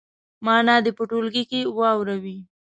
معنا دې په ټولګي کې واوروي.